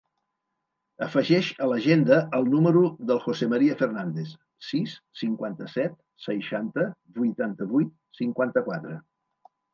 Afegeix a l'agenda el número del José maria Fernandez: sis, cinquanta-set, seixanta, vuitanta-vuit, cinquanta-quatre.